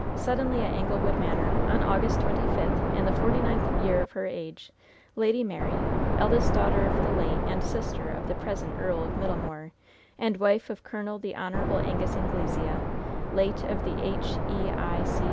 Suddenly, at Anglewood Manor, on August twenty fifth, in the forty ninth year of her age, Lady Mary, eldest daughter of the late and sister of the present Earl of Middlemoor, and wife of Col. the Hon. Angus Anglesea, late of the H.E.I.